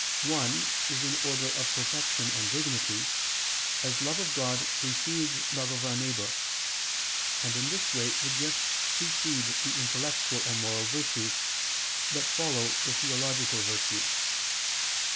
One is in order of perfection and dignity, as love of God precedes love of our neighbor: and in this way the gifts precede the intellectual and moral virtues, but follow the theological virtues.